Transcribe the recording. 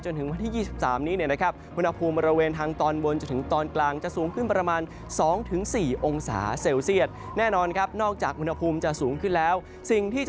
จนถึงมาที่๒๓